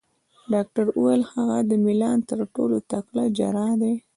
ډاکټر وویل: هغه د میلان تر ټولو تکړه جراح دی.